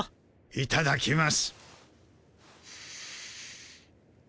いただきます。